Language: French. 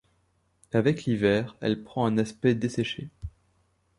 Avec l'hiver elle prend un aspect desséché.